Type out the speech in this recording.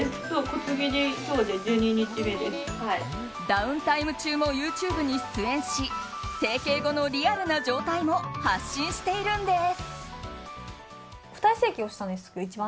ダウンタイム中もＹｏｕＴｕｂｅに出演し整形後のリアルな状態も発信しているんです。